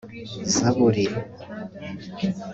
zaburi ,